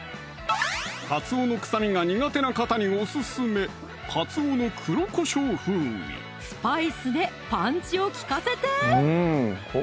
かつおの臭みが苦手な方にオススメスパイスでパンチを利かせて！